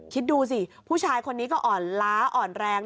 คิดดูสิผู้ชายคนนี้ก็อ่อนล้าอ่อนแรง